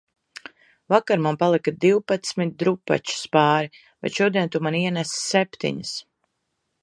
Vakar man palika divpadsmit drupačas pāri, bet šodien tu man ienesi septiņas